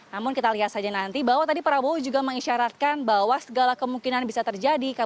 namun kita lihat saja nanti bahwa tadi prabowo juga mengisyaratkan bahwa segala kemungkinan bisa terjadi